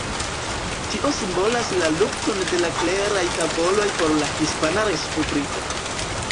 Tio simbolas la lukton de la kleraj tavoloj por la Hispana Respubliko.